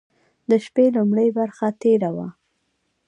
د شپې لومړۍ برخه تېره وه.